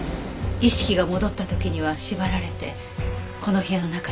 意識が戻った時には縛られてこの部屋の中にいた。